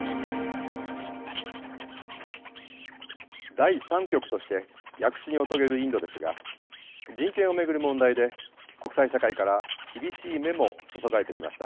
第３極として躍進を遂げるインドですが人権を巡る問題で国際社会から厳しい目も注がれてきました。